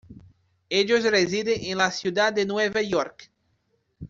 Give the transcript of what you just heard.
Ellos residen en la ciudad de Nueva York.